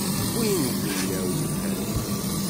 Win d inaw yelhan.